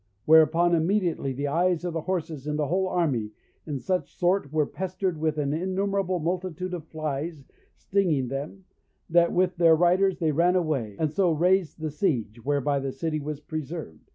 Whereupon immediately the eyes of the horses in the whole army in such sort were pestered with an innumerable multitude of flies stinging them, that with their riders they ran away, and so raised the siege, whereby the city was preserved.